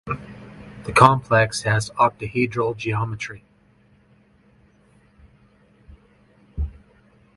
The complex has octahedral geometry.